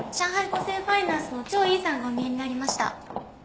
五星ファイナンスの張怡さんがお見えになりました。